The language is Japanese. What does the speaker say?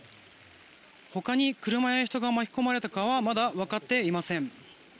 他に車や人が巻き込まれたかはまだ分かっていません。